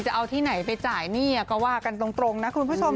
จะเอาที่ไหนไปจ่ายหนี้ก็ว่ากันตรงนะคุณผู้ชม